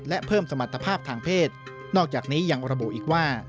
และเพิ่มสมรรถภาพทางเพศนอกจากนี้ยังระบุอีกว่า